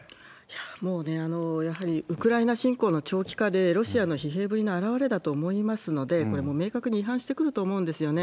もうね、やはりウクライナ侵攻の長期化で、ロシアの疲弊ぶりの表れだと思いますので、これ、もう明確に違反してくると思うんですよね。